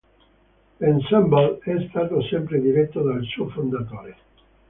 L"'ensemble" è stato sempre diretto dal suo fondatore.